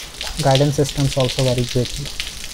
Guidance systems also vary greatly.